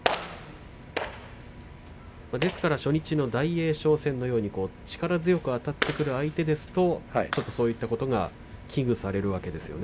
ですから初日の大栄翔戦のように力強くあたってくる相手ですとちょっと、そういうところが危惧されるわけですね。